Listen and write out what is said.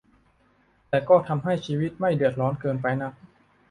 แต่ก็ทำให้ชีวิตไม่เดือดร้อนเกินไปนัก